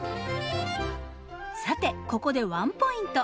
さてここでワンポイント。